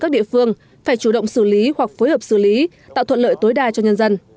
các địa phương phải chủ động xử lý hoặc phối hợp xử lý tạo thuận lợi tối đa cho nhân dân